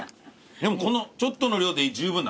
でもこのちょっとの量で十分だな。